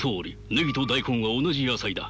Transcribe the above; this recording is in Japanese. ネギと大根は同じ野菜だ。